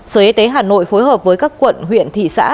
sở y tế hà nội phối hợp với các quận huyện thị xã